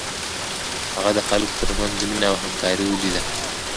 هغه د خلکو تر منځ مینه او همکاري ولیده.